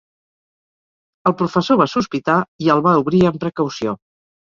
El professor va sospitar, i el va obrir amb precaució.